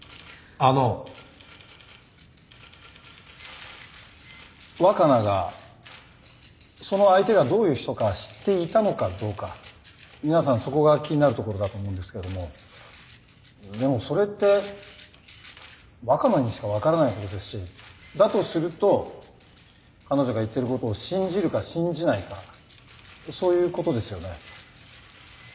あの若菜がその相手がどういう人か知っていたのかどうか皆さんそこが気になるところだと思うんですけれどもでもそれって若菜にしか分からないことですしだとすると彼女が言ってることを信じるか信じないかそういうことですよね？